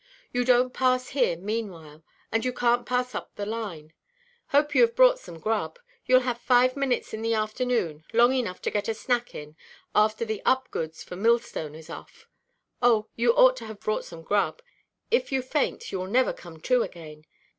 You donʼt pass here meanwhile, and you canʼt pass up the line. Hope you have brought some grub. Youʼll have five minutes in the afternoon, long enough to get a snack in, after the up goods for Millstone is off. Oh, you ought to have brought some grub; if you faint, you will never come to again.